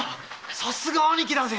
さすが兄貴だぜ。